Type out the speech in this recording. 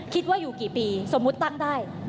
คิดว่าอยู่กี่ปีสมมุติตั้งได้